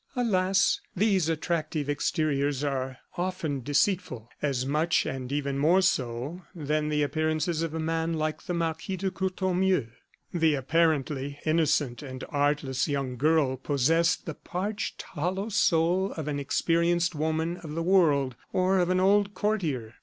Alas! these attractive exteriors are often deceitful, as much and even more so, than the appearances of a man like the Marquis de Courtornieu. The apparently innocent and artless young girl possessed the parched, hollow soul of an experienced woman of the world, or of an old courtier.